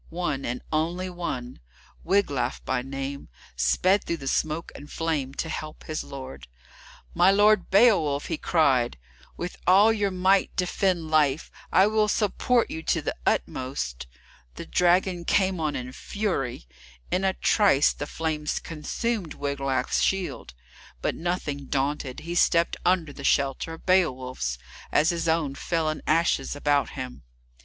One, and one only, Wiglaf by name, sped through the smoke and flame to help his lord. "My Lord Beowulf!" he cried, "with all your might defend life, I will support you to the utmost." The dragon came on in fury; in a trice the flames consumed Wiglaf's shield, but, nothing daunted, he stepped under the shelter of Beowulf's, as his own fell in ashes about him.